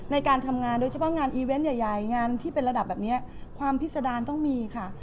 ในการทำงานโดยเฉพาะงานอีเวนต์ใหญ่งานที่เป็นระดับแบบนี้ความพิษดารต้องมีค่ะ